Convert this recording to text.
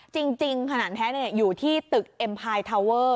จริงขนาดแท้อยู่ที่ตึกเอ็มพายทาวเวอร์